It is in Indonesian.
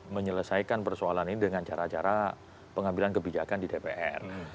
menyelesaikan persoalan ini dengan cara cara pengambilan kebijakan di dpr